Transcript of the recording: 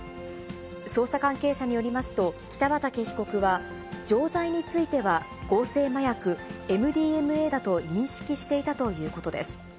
捜査関係者によりますと、北畠被告は、錠剤については合成麻薬ＭＤＭＡだと認識していたということです。